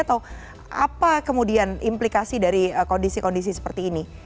atau apa kemudian implikasi dari kondisi kondisi seperti ini